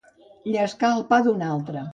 Llescar el pa d'un altre.